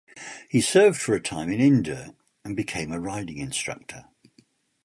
He served for a time in India, and became a Riding Instructor.